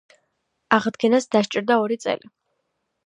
აღდგენას დასჭირდა ორი წელი.